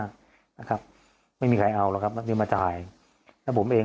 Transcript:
ก็เลยต้องมาไลฟ์ขายของแบบนี้เดี๋ยวดูบรรยากาศกันหน่อยนะคะ